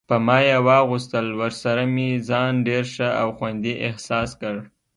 په ما یې واغوستل، ورسره مې ځان ډېر ښه او خوندي احساس کړ.